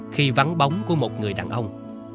khi vắng bóng của một người đàn ông